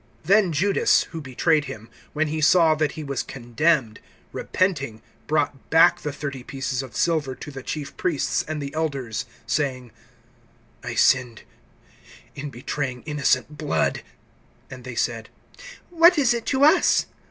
(3)Then Judas, who betrayed him, when he saw that he was condemned, repenting brought back the thirty pieces of silver to the chief priests and the elders, (4)saying: I sinned in betraying innocent blood. And they said: What is it to us?